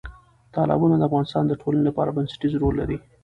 تالابونه د افغانستان د ټولنې لپاره بنسټيز رول لري.